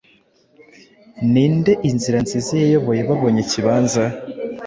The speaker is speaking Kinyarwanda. Ninde inzira nziza yayoboye babonye ikibanza